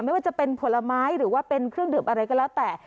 ไม่ว่าจะเป็นผลไม้หรือว่าเป็นเครื่องดื่มอะไรก็แล้วแต่